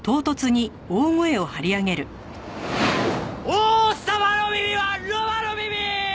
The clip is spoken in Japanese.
王様の耳はロバの耳ー！